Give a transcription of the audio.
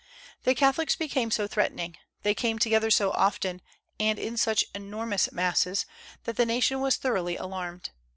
The Catholics became so threatening, they came together so often and in such enormous masses, that the nation was thoroughly alarmed.